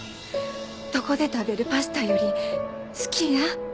どこで食べるパスタより好きや。